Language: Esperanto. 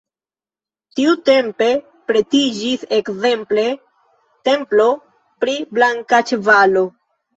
Tiutempe pretiĝis ekzemple templo pri Blanka Ĉevalo.